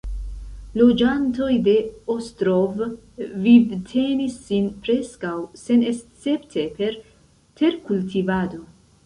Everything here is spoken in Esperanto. Loĝantoj de Ostrov vivtenis sin preskaŭ senescepte per terkultivado.